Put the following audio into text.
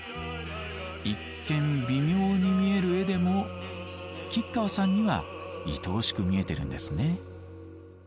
一見微妙に見える絵でも吉川さんにはいとおしく見えてるんですね。